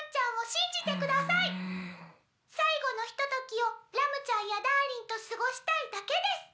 最後のひとときをラムちゃんやダーリンと過ごしたいだけです。